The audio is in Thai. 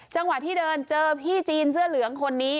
จังหวะที่เดินเจอพี่จีนเสื้อเหลืองคนนี้